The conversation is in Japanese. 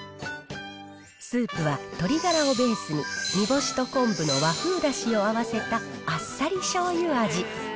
スープは鶏ガラをベースに、煮干しと昆布の和風だしを合わせた、あっさりしょうゆ味。